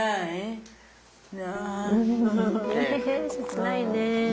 切ないね。